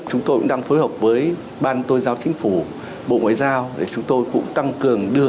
chúng tôi cũng đang phối hợp với ban tôn giáo chính phủ bộ ngoại giao để chúng tôi cũng tăng cường đưa